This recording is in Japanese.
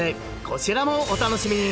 こちらもお楽しみに！